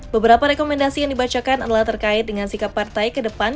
beberapa rekomendasi yang dibacakan adalah terkait dengan sikap partai ke depan